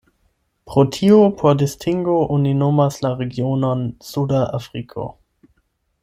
Pro tio por distingo oni nomas la regionon "Suda Afriko".